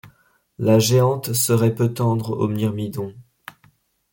La géante serait peu tendre au myrmidon